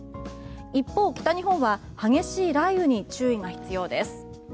一方、北日本は激しい雷雨に注意が必要です。